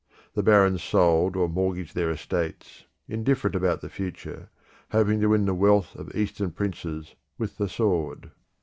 The barons sold or mortgaged their estates, indifferent about the future, hoping to win the wealth of Eastern princes with the sword.